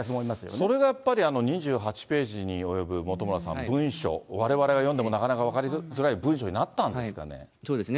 それがやっぱり、２８ページに及ぶ本村さん、文書、われわれが読んでも、なかなか分かりづらい文書になったんですかそうですね。